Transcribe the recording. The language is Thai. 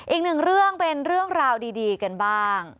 อีกหนึ่งเรื่องเป็นเรื่องราวดีกันบ้าง